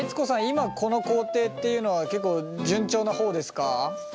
今この工程っていうのは結構順調な方ですか？